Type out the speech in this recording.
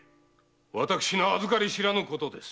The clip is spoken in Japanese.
私の預かり知らぬことです。